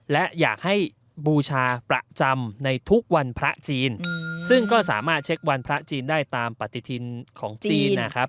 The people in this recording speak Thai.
และอยากให้บูชาประจำในทุกวันพระจีนซึ่งก็สามารถเช็ควันพระจีนได้ตามปฏิทินของจีนนะครับ